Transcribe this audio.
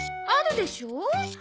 あるでしょ。